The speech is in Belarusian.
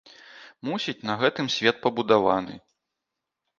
Мусіць, на гэтым свет пабудаваны.